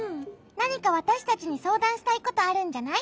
なにかわたしたちにそうだんしたいことあるんじゃない？